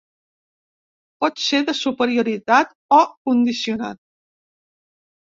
Pot ser de superioritat o condicionat.